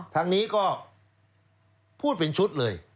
ทางนี้ก็พูดเป็นชุดเลย